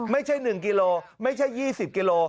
ไม่ใช่หนึ่งกิโลไม่ใช่ยี่สิบกิโล